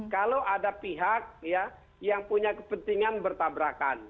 kalau ada pihak yang punya kepentingan bertabrakan